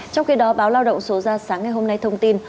trong khi đó báo lao động số ra sáng ngày hôm nay thông tin